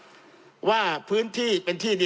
จำนวนเนื้อที่ดินทั้งหมด๑๒๒๐๐๐ไร่